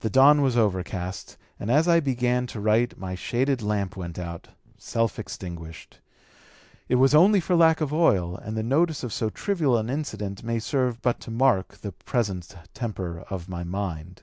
The dawn was overcast, and as I began to write my shaded lamp went out, self extinguished. It was only for lack of oil, and the notice of so trivial an incident may serve but to mark the present temper of my mind."